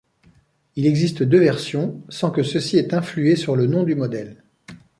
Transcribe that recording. Il existe deux versions, sans que ceci ait influé sur le nom du modèle.